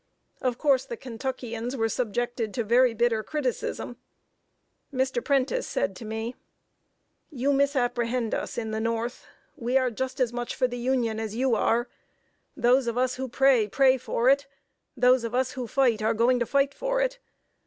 Of course the Kentuckians were subjected to very bitter criticism. Mr. Prentice said to me: "You misapprehend us in the North. We are just as much for the Union as you are. Those of us who pray, pray for it; those of us who fight, are going to fight for it.